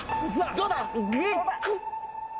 どうだ！